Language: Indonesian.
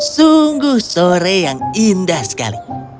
sungguh sore yang indah sekali